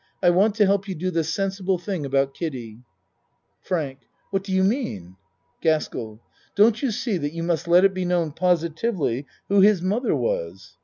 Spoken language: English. I want to help you do the sensible thing about Kiddie. FRANK What do you mean ? GASKELL Don't you see that you must let it be known positively who his mother was?